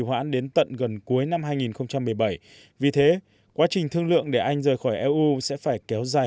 hoãn đến tận gần cuối năm hai nghìn một mươi bảy vì thế quá trình thương lượng để anh rời khỏi eu sẽ phải kéo dài